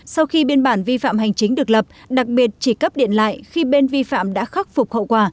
sau khi biên bản vi phạm hành chính được lập đặc biệt chỉ cấp điện lại khi bên vi phạm đã khắc phục hậu quả